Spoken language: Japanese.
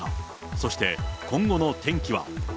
そして今後の天気は。